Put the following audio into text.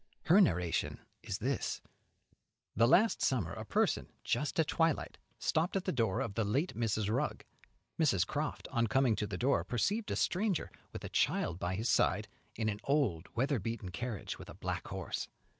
Her narration is this: The last summer a person, just at twilight, stopped at the door of the late Mrs. Rugg. Mrs. Croft, on coming to the door, perceived a stranger, with a child by his side, in an old, weather beaten carriage, with a black horse.